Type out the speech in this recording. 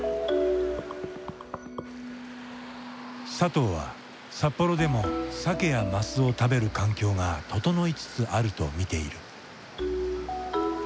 佐藤は札幌でもサケやマスを食べる環境が整いつつあると見ている。